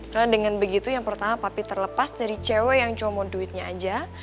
karena dengan begitu yang pertama papi terlepas dari cewek yang cuma mau duitnya aja